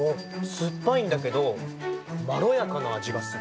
すっぱいんだけどまろやかなあじがする。